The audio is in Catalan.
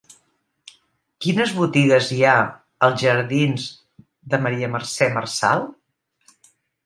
Quines botigues hi ha als jardins de Maria Mercè Marçal?